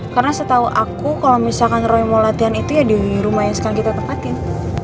karena setau aku kalau misalkan roy mau latihan itu ya di rumah yang sekarang kita tempatin